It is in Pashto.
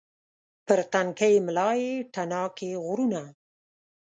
پر تنکۍ ملا یې تڼاکې غرونه